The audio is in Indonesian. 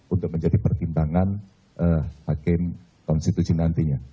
untuk menjadi pertimbangan hakim konstitusi nantinya